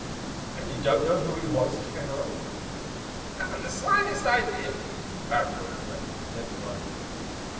"And you don't know who he was?" Ken asked. "Haven't the slightest idea." Barrack looked regretful and then he brightened.